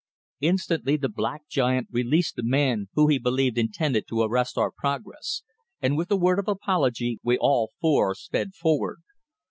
Instantly the black giant released the man who he believed intended to arrest our progress, and with a word of apology we all four sped forward.